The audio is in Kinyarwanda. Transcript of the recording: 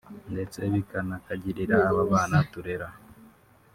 ndetse bikanakagirira aba bana turera"